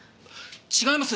違います。